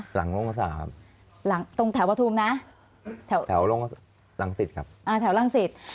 ผมว่ากลับบ้าน